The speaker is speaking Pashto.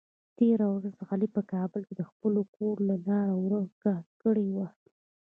تېره ورځ علي په کابل کې د خپل کور لاره ور که کړې وه.